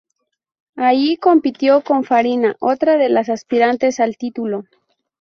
Allí compitió con Farina, otra de las aspirantes al título.